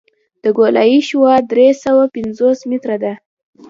د ګولایي شعاع درې سوه پنځوس متره ده